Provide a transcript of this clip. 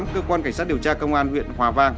cơ quan cảnh sát điều tra công an huyện hòa vang